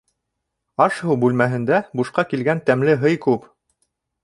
Аш-һыу бүлмәһендә бушҡа килгән тәмле һый күп.